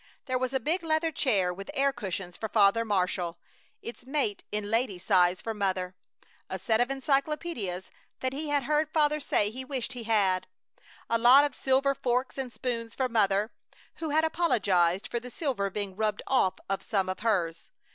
There was a big leather chair with air cushions for Father Marshall; its mate in lady's size for Mother; a set of encyclopedias that he had heard Father say he wished he had; a lot of silver forks and spoons for Mother, who had apologized for the silver being rubbed off of some of hers.